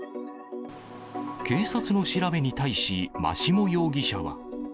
警察の調べに対し、真下容疑者は。